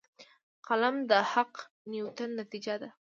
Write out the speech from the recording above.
قلم د حقه نیتونو نتیجه ده